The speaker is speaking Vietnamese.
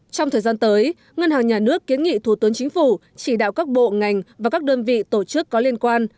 trong thời gian tới ngân hàng nhà nước kiến nghị thủ tướng chính phủ chỉ đạo các bộ ngành và các đơn vị tổ chức có liên quan